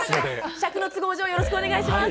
尺の都合上よろしくお願いします。